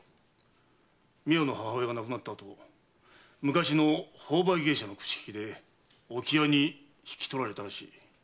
美和の母親が亡くなったあと昔の朋輩芸者の口利きで置屋に引き取られたらしい。